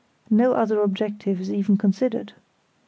No other objective is even considered.